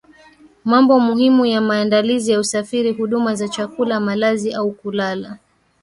Mambo muhimu ya maandalizi ya usafiri huduma za chakula malazi au kulala